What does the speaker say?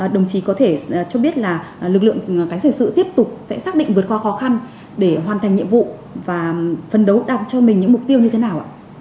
đồng chí có thể cho biết là lực lượng cánh xe sử tiếp tục sẽ xác định vượt qua khó khăn để hoàn thành nhiệm vụ và phân đấu đọc cho mình những mục tiêu như thế nào ạ